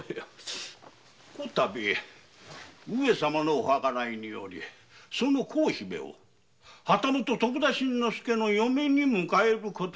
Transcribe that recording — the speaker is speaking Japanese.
こ度上様のお計らいによりその幸姫を旗本徳田新之助の嫁に迎える事に相成った。